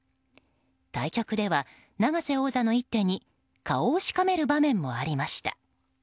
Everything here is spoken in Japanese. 対局では、永瀬王座の一手に顔をしかめる場面もありました。